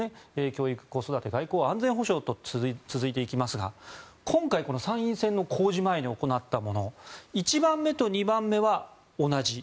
教育・子育て外交・安全保障と続いていきますが今回、参院選の公示前に行ったもの１番目と２番目は同じ。